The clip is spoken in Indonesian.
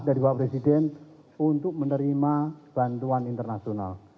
dari bapak presiden untuk menerima bantuan internasional